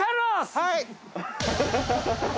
はい！